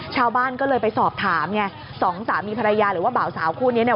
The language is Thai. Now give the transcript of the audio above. ชาวบ้านก็เลยไปสอบถาม๒สามีภรรยาหรือว่าเบาสาวคู่นี้